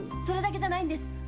それだけじゃないんです